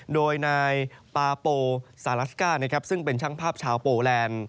โดยนายปาโปซาลาสก้านะครับซึ่งเป็นช่างภาพชาวโปแลนด์